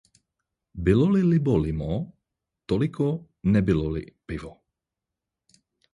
Bylo-li libo limo? Toliko nebylo-li pivo.